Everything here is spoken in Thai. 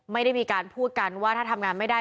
ไม่ได้มีการพูดกันว่าถ้าทำงานไม่ได้